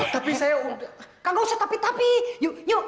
tapi saya udah kalau tetapi yuk yuk yuk kita nyarep yuk